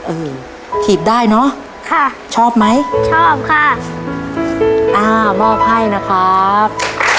เออถีบได้เนอะค่ะชอบไหมชอบค่ะอ่ามอบให้นะครับ